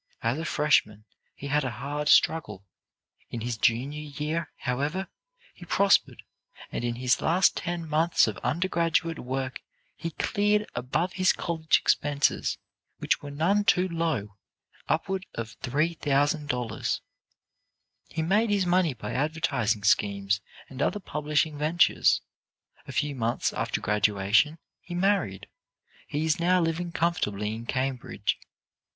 As a freshman he had a hard struggle. In his junior year, however, he prospered and in his last ten months of undergraduate work he cleared above his college expenses, which were none too low, upward of $3,000. "He made his money by advertising schemes and other publishing ventures. A few months after graduation he married. He is now living comfortably in Cambridge."